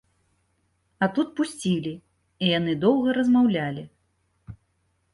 А тут пусцілі, і яны доўга размаўлялі.